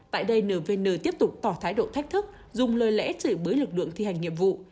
tại đây nvn tiếp tục tỏ thái độ thách thức dùng lời lẽ chửi bới lực lượng thi hành nhiệm vụ